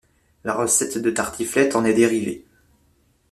La recette de tartiflette en est dérivée.